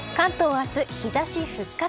明日、日差し復活。